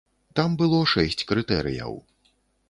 Там было шэсць крытэрыяў.